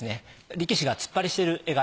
力士が突っ張りしてる絵柄。